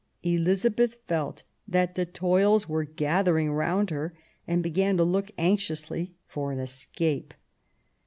Elizabeth felt that the toils were gathering round her, and began to look anxiously for an escape.